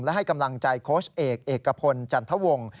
และให้กำลังใจโค้ชเอกเอกพลจันทวงศ์